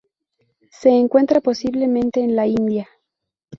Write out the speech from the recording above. Se encuentra posiblemente en la India.